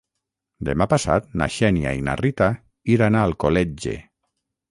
Demà passat na Xènia i na Rita iran a Alcoletge.